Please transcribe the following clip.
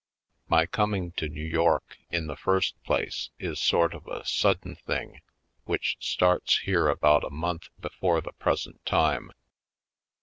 My coming to New York, in the first place, is sort of a sudden thing which starts here about a month before the present time.